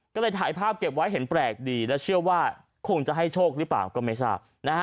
ก็เลยถ่ายภาพเก็บไว้เห็นแปลกดีและเชื่อว่าคงจะให้โชคหรือเปล่าก็ไม่ทราบ